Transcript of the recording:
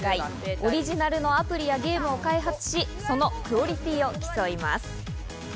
オリジナルのアプリやゲームを開発し、そのクオリティーを競います。